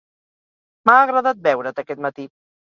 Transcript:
M'ha agradat veure't, aquest matí.